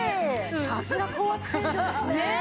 さすが高圧洗浄ですね。